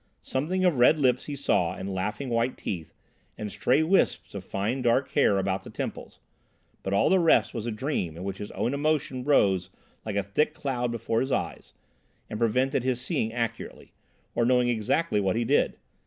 Something of red lips he saw and laughing white teeth, and stray wisps of fine dark hair about the temples; but all the rest was a dream in which his own emotion rose like a thick cloud before his eyes and prevented his seeing accurately, or knowing exactly what he did.